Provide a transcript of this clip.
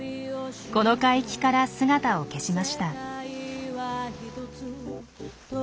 この海域から姿を消しました。